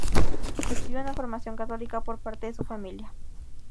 Recibió una formación católica por parte de su familia.